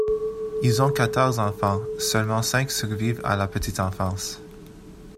Ils ont quatorze enfants, seulement cinq survivent à la petite enfance.